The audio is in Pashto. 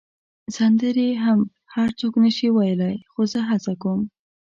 سندرې هم هر څوک نه شي ویلای، خو زه هڅه کوم.